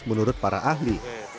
menurut para ahli